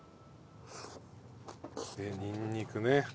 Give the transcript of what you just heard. にんにくね。